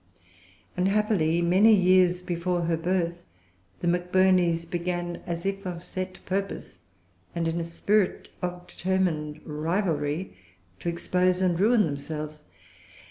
Unhappily, many years before her birth, the Macburneys began, as if of set purpose and in a spirit of determined rivalry, to expose and ruin themselves.